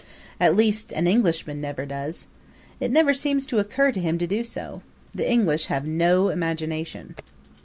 At least an Englishman never does. It never seems to occur to him to do so. The English have no imagination.